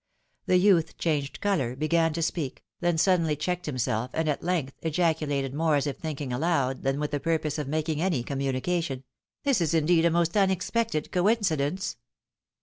The youth changed colour, began to speak, then suddenly checked himself, and, at length, ejaculated more as if thinking aloud than vrith the purpose of making any communication, " This is, indeed, a most unexpected coincidence